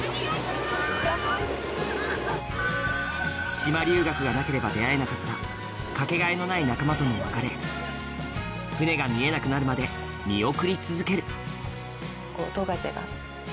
島留学がなければ出会えなかったかけがえのない仲間との別れ船が見えなくなるまで見送り続けると思うんだけどこうやって。